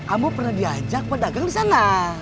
kamu pernah diajak pedagang di sana